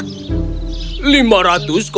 lima ratus koin perak